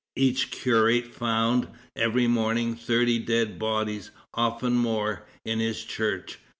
Each curate found, every morning, thirty dead bodies, often more, in his church.